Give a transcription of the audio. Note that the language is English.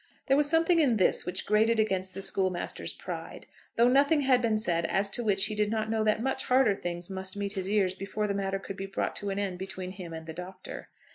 There was something in this which grated against the schoolmaster's pride, though nothing had been said as to which he did not know that much harder things must meet his ears before the matter could be brought to an end between him and the Doctor.